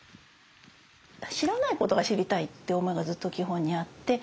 知らないことが知りたいって思いがずっと基本にあって